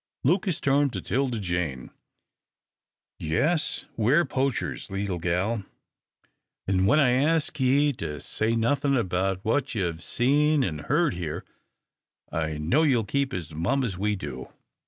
Lucas turned to 'Tilda Jane. "Yes, we're poachers, leetle gal, an' when I ask ye to say nothin' about what ye've seen an' heard here, I know ye'll keep as mum as we do.